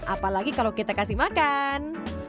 apalagi kalau kita kasih makan